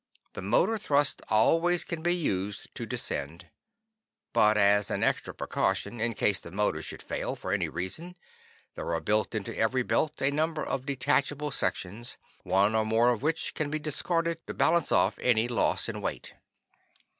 The motor thrust always can be used to descend. But as an extra precaution, in case the motor should fail, for any reason, there are built into every belt a number of detachable sections, one or more of which can be discarded to balance off any loss in weight.